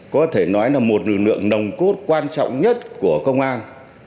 có thể nói là một lực lượng nồng cốt quan trọng nhất của công an